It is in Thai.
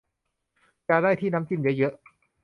อยากได้ที่น้ำจิ้มเยอะเยอะ